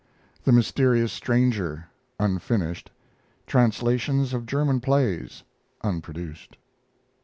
THE MYSTERIOUS STRANGER (unfinished). Translations of German plays (unproduced).